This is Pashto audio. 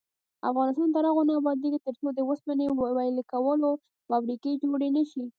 افغانستان تر هغو نه ابادیږي، ترڅو د اوسپنې ویلې کولو فابریکې جوړې نشي.